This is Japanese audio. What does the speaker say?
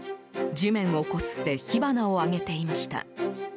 地面をこすって火花を上げていました。